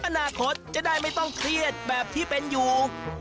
อนาคตจะได้ไม่ต้องเครียดแบบที่เป็นอยู่